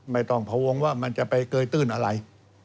ไม่ต้องพวงว่ามันจะไปเกยตื้นอะไร